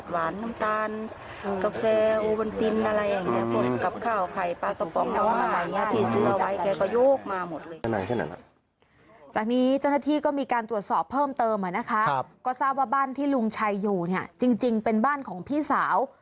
จากนี้เจ้าหน้าที่ก็มีการตรวจสอบเพิ่มเติมอ่ะนะคะก็ทราบว่าบ้านที่ลุงชัยอยู่เนี่ยจริงเป็นบ้านของพี่สาว